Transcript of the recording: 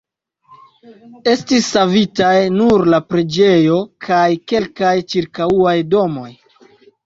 Estis savitaj nur la preĝejo kaj kelkaj ĉirkaŭaj domoj.